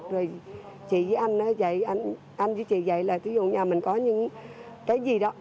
rồi chị với anh ấy dạy anh với chị dạy là thí dụ nhà mình có những cái gì đó